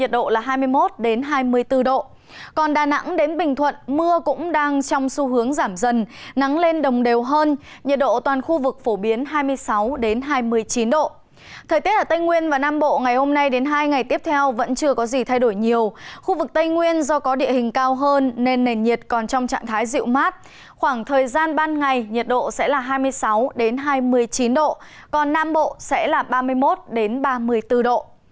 do có địa hình cao hơn nên nền nhiệt còn trong trạng thái dịu mát khoảng thời gian ban ngày nhiệt độ sẽ là hai mươi sáu hai mươi chín độ còn nam bộ sẽ là ba mươi một ba mươi bốn độ